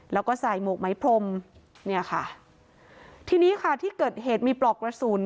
แล้วก็ใส่หมวกไม้พรมเนี่ยค่ะทีนี้ค่ะที่เกิดเหตุมีปลอกกระสุน